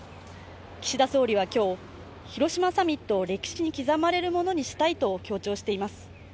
岸田総理は今日、広島サミットを歴史に刻まれるものにしたいと強調しています。